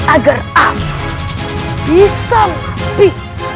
agar aku bisa mati